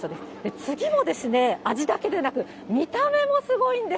次もですね、味だけでなく、見た目もすごいんです。